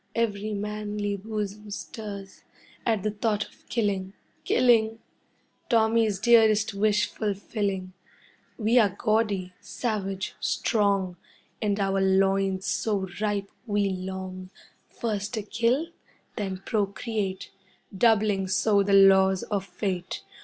Every manly bosom stirs At the thought of killing killing! Tommy's dearest wish fulfilling. We are gaudy, savage, strong, And our loins so ripe we long First to kill, then procreate, Doubling so the laws of Fate.